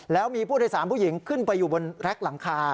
แล้วมีผู้โดยสารผู้หญิงขึ้นไปอยู่บนแร็กหลังคา